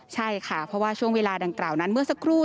ใช่ค่ะเพราะว่าช่วงเวลาดังกล่าวนั้นเมื่อสักครู่